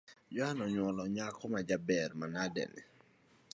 Joan onywolo nyako majaber manade ni